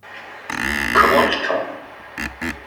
Comment est le temps ?